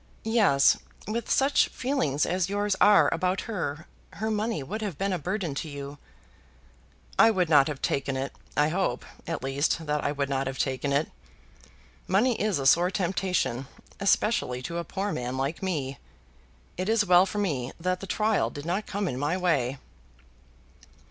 "Yes; with such feelings as yours are about her, her money would have been a burden to you." "I would not have taken it. I hope, at least, that I would not have taken it. Money is a sore temptation, especially to a poor man like me. It is well for me that the trial did not come in my way."